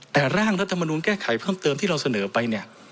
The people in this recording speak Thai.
แต่ร่างรัฐมนูลแก้ไขเพิ่มเติมที่เราเสนอไปเนี่ย